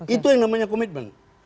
itu yang namanya komitmen